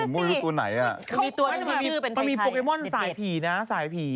มันมีโปเกมอนสายผีนะ